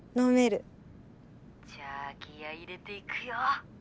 じゃあ気合い入れて行くよ！